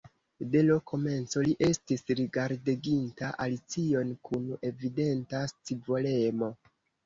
De l' komenco li estis rigardeginta Alicion kun evidenta scivolemo.